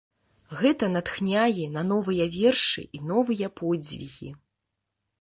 Гэта натхняе на новыя вершы і новыя подзвігі.